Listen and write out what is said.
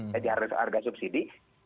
jadi harga subsidi